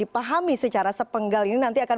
dipahami secara sepenggal ini nanti akan